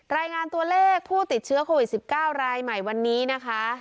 รายงานตัวเลขผู้ติดเชื้อโควิด๑๙รายใหม่วันนี้นะคะ